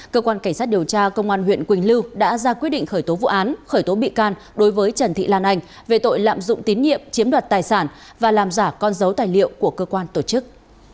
cơ quan cảnh sát điều tra công an huyện quỳnh lưu đã ra quyết định khởi tố vụ án khởi tố bị can đối với trần thị lan anh về tội lạm dụng tín nhiệm chiếm đoạt tài sản và làm giả con dấu tài liệu của cơ quan tổ chức